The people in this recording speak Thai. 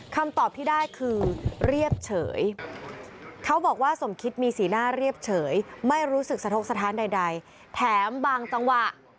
คำตอบที่ได้คือเรียบเฉยเขาบอกว่าสมคิดมีสีหน้าเรียบเฉยไม่รู้สึกสะทกสถานใดแถมบางจังหวะ